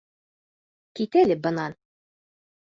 Кит әле бынан!